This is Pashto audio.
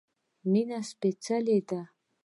مينه سپيڅلی ده